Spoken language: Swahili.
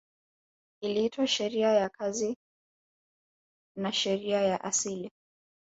Iliitwa sheria ya kazi na sheria ya asili